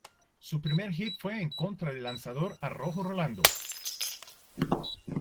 Su primer hit fue en contra del lanzador Arrojo Rolando.